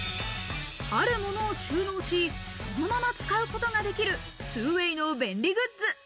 あるものを収納し、そのまま使うことができる２ＷＡＹの便利グッズ。